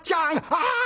「ああ！